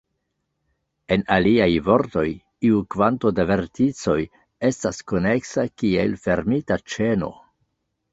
En aliaj vortoj, iu kvanto da verticoj estas koneksa kiel fermita ĉeno.